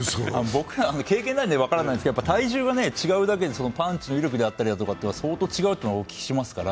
僕は経験がないんで分からないんですけど体重が違うだけでパンチの威力だったりとかが相当違うというのはお聞きしますから。